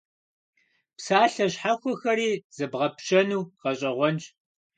Псалъэ щхьэхуэхэри зэбгъэпщэну гъэщӀэгъуэнщ.